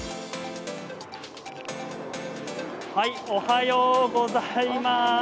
おはようございます。